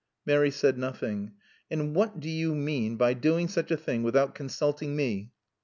Mary said nothing. "And what do you mean by doing such a thing without consulting me?"